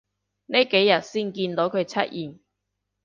呢幾日先見到佢出現